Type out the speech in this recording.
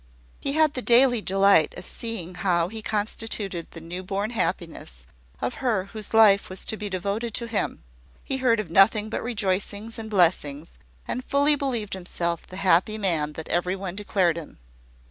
He had the daily delight of seeing how he constituted the new born happiness of her whose life was to be devoted to him: he heard of nothing but rejoicings and blessings, and fully believed himself the happy man that every one declared him.